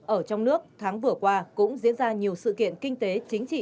ở trong nước tháng vừa qua cũng diễn ra nhiều sự kiện kinh tế chính trị